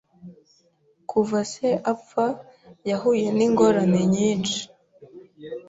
Kuva se apfa, yahuye n'ingorane nyinshi.